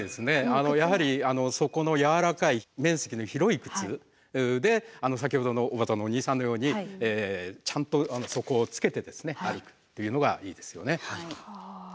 やはり底の柔らかい面積の広い靴で先ほどのおばたのお兄さんのようにちゃんと底をつけて歩くというのがいいですよね。